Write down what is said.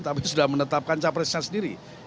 tapi sudah menetapkan capresnya sendiri